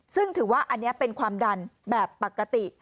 ซึ่งถือว่าอันนี้เป็นความดันแบบปกติ